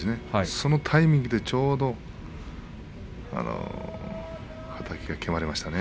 そのタイミングでちょうどはたきがきまりましたね。